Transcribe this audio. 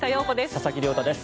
佐々木亮太です。